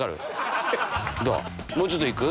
もうちょっと行く？